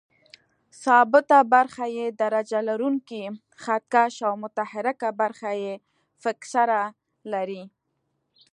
ثابته برخه یې درجه لرونکی خط کش او متحرکه برخه یې فکسره لري.